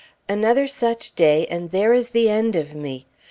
Another such day, and there is the end of me!